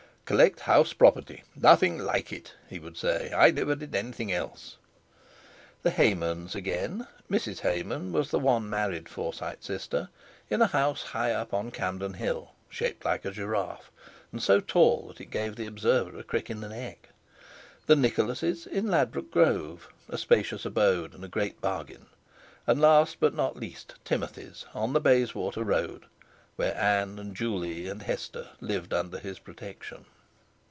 "Collect house property, nothing like it," he would say; "I never did anything else"). The Haymans again—Mrs. Hayman was the one married Forsyte sister—in a house high up on Campden Hill, shaped like a giraffe, and so tall that it gave the observer a crick in the neck; the Nicholases in Ladbroke Grove, a spacious abode and a great bargain; and last, but not least, Timothy's on the Bayswater Road, where Ann, and Juley, and Hester, lived under his protection.